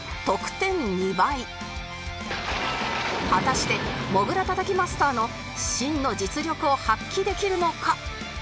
果たしてモグラたたきマスターの真の実力を発揮できるのか？